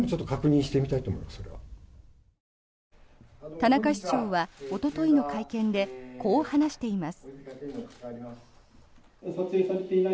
田中市長はおとといの会見でこう話しています。